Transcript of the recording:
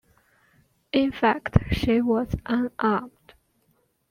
In fact, she was unarmed.